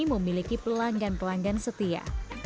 memiliki pelanggan pelanggan setia